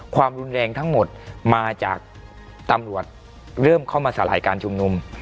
ความรุนแรงทั้งหมดมาจากตำรวจเริ่มเข้ามาสลายการชุมนุม